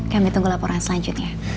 kami tunggu laporan selanjutnya